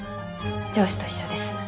上司と一緒です。